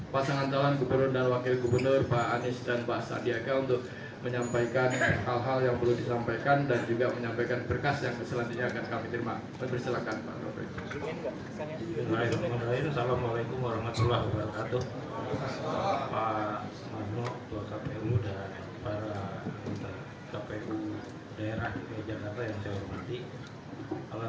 pasangan calon gubernur dan wakil gubernur pak anies dan pak sadiaka untuk menyampaikan hal hal yang perlu disampaikan dan juga menyampaikan berkas yang selanjutnya akan kami terima